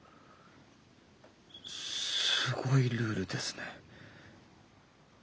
すごいルールですね。